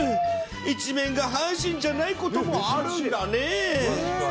１面が阪神じゃないこともあるんだね。